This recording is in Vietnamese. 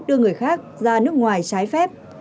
đưa người khác ra nước ngoài trái phép